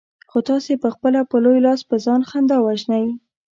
خو تاسې پخپله په لوی لاس په ځان خندا وژنئ.